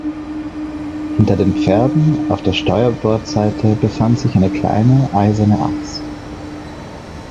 Hinter den Pferden auf der Steuerbordseite befand sich eine kleine, eiserne Axt.